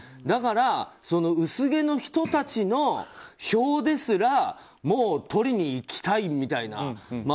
だから、薄毛の人たちの票ですらもう取りに行きたいみたいな。